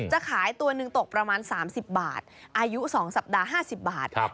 จะขายตัวหนึ่งตกประมาณสามสิบบาทอายุสองสัปดาห์ห้าสิบบาทครับ